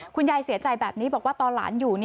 คุณยายเสียใจแบบนี้บอกว่าตอนหลานอยู่